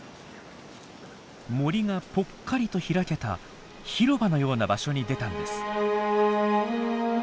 森がぽっかりと開けた広場のような場所に出たんです。